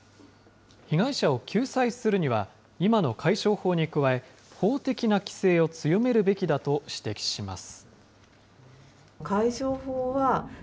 被害者を救済するには、今の解消法に加え、法的な規制を強めるべきだと指摘します。